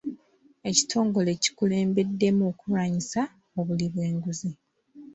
Ekitongole kikulembeddemu okulwanyisa obuli bw'enguzi.